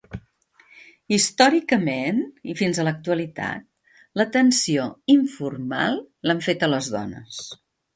Històricament i fins a l'actualitat, l'atenció informal l'han feta les dones.